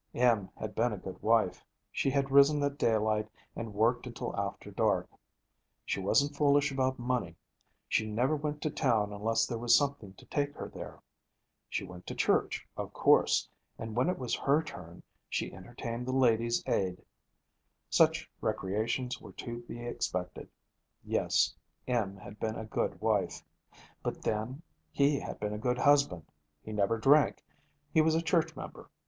Em had been a good wife; she had risen at daylight and worked until after dark. She wasn't foolish about money. She never went to town unless there was something to take her there. She went to church, of course, and when it was her turn, she entertained the Ladies' Aid. Such recreations were to be expected. Yes, Em had been a good wife. But then, he had been a good husband. He never drank. He was a church member.